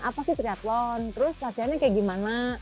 apa sih triathlon terus latihannya kayak gimana